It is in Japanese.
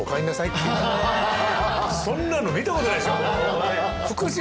そんなの見たことないでしょ。